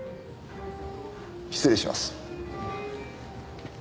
失礼します。